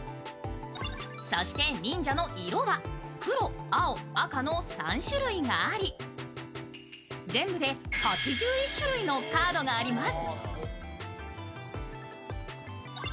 そして忍者の色は黒、青、赤の３種類があり全部で８１種類のカードがあります。